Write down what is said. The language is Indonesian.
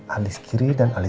alis kiri dan jari kiri